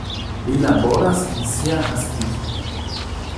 Li laboras en sia naskiĝurbo.